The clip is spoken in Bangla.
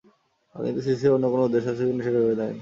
কিন্তু সিসির অন্য কোনো উদ্দেশ্য আছে কি না, সেটা ভেবে দেখেননি।